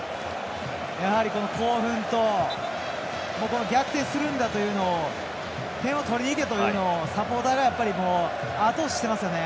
やはり、興奮と逆転するんだというのを点を取りにいけというのをサポーターがあと押ししてますよね。